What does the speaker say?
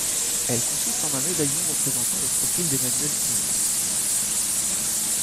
Elle consiste en un médaillon représentant le profil d'Emmanuel Pouvreau.